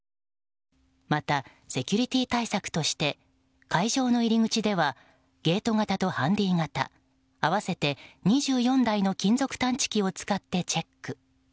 またセキュリティー対策として会場の入り口ではゲート型とハンディー型合わせて２４台の金属探知機を使ってチェック。